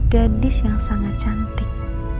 gadis yang sangat cantik